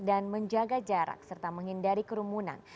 dan menjaga jarak serta menghindari kerumunan